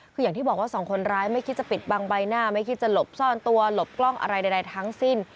คืออย่างที่บอกว่าสองคนร้ายไม่คิดจะปิดบังใบหน้าไม่คิดจะหลบซ่อนตัวหลบกล้องอะไรใดทั้งสิ้น